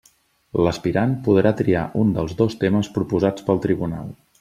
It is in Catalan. L'aspirant podrà triar un dels dos temes proposats pel tribunal.